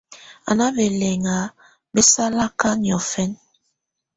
Á nà bɛlɛ̀na bɛ̀salakà niɔ̀fɛna.